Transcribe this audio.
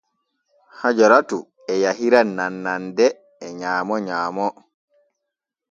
Hajiratu e yahira nannande e nyaamo nyaamo.